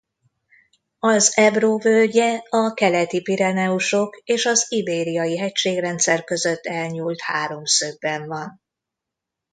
Az Ebro völgye a Keleti-Pireneusok és az Ibériai hegységrendszer között elnyúlt háromszögben van.